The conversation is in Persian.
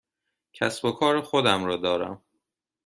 کسب و کار خودم را دارم.